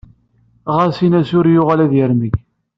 Ɣas in-as ur yuɣal ad yermeg.